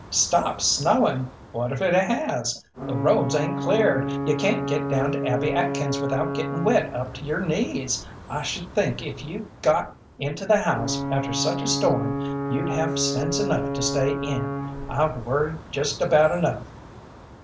"Stopped snowing! What if it has? The roads ain't cleared. You can't get down to Abby Atkins's without gettin' wet up to your knees. I should think if you got into the house after such a storm you'd have sense enough to stay in. I've worried just about enough."